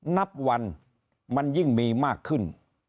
นับวันมันยิ่งมีมากขึ้น